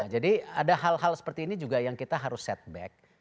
jadi ada hal hal seperti ini juga yang kita harus set back